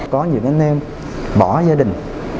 có những anh em bỏ gia đình